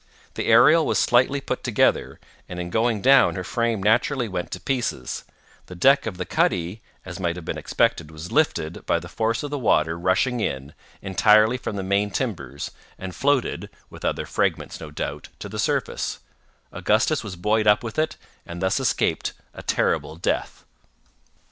The Ariel was slightly put together, and in going down her frame naturally went to pieces; the deck of the cuddy, as might have been expected, was lifted, by the force of the water rushing in, entirely from the main timbers, and floated (with other fragments, no doubt) to the surface—Augustus was buoyed up with it, and thus escaped a terrible death.